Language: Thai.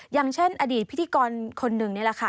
อย่างเช่นอดีตพิธีกรคนหนึ่งนี่แหละค่ะ